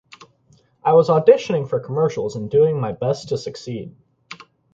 I was auditioning for commercials and doing my best to succeed.